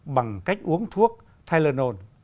bằng cách uống thuốc tylenol